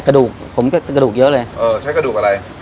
กระดูกผมก็กระดูกเยอะเลยเออใช้กระดูกอะไร